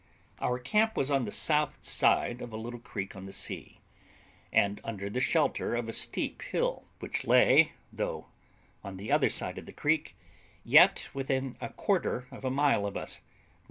Our camp was on the south side of a little creek on the sea, and under the shelter of a steep hill, which lay, though on the other side of the creek, yet within a quarter of a mile of us, N.W.